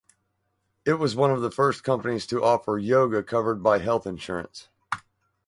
It was one of the first companies to offer yoga covered by health insurance.